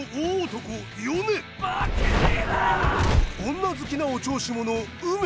女好きのお調子者ウメ。